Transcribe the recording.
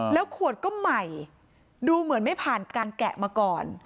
แล้วขวดก็ใหม่ดูเหมือนไม่ผ่านการแกะมาก่อน